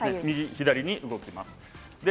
左右に動きます。